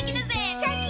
シャキン！